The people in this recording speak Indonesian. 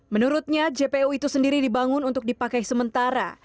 menurutnya jpo itu sendiri dibangun untuk dipakai sementara